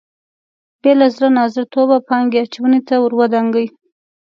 بې له زړه نازړه توبه پانګې اچونې ته ور دانګي.